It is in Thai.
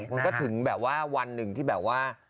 มันก็ถึงแบบว่าวันหนึ่งที่แบบว่า